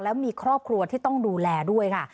แล้วมีครอบครัวที่ต้องดูแลด้วยค่ะ